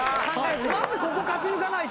まずここ勝ち抜かないと。